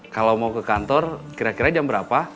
kalau mau ke kantor kira kira jam berapa